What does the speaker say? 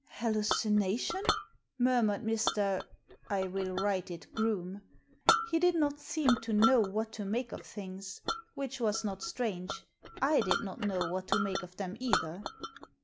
" Hallucination !murmured Mr. I will write it Groome. He did not seem to know what to make of things. Which was not strange. I did not know what to make of them either.